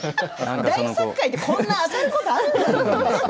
大殺界って、こんな当たることある？っていうね。